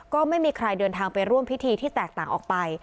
ก็ไม่มีใครเดินทางไปร่วมพิธีที่แตกต่างออกไป